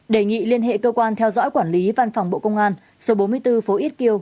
đề nghị liên hệ cơ quan theo dõi quản lý văn phòng bộ công an số bốn mươi bốn phố ít kiêu